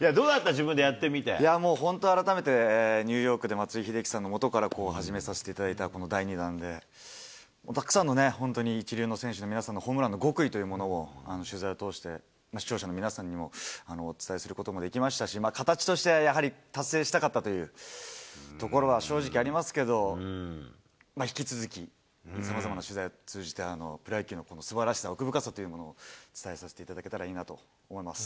自分でやってみ本当、改めてニューヨークで松井秀喜さんのもとから始めさせていただいた第２弾で、たくさんのね、本当に一流の選手の皆さんのホームランの極意というものを取材を通して、視聴者の皆さんにもお伝えすることもできましたし、形としてはやはり達成したかったというところは、正直ありますけど、引き続き、さまざまな取材を通じて、プロ野球のすばらしさ、奥深さというものを伝えさせていただけたらいいなと思います。